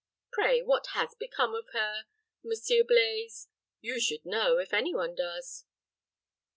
Pray, what has become of her, Monsieur Blaize? You should know, if any one does."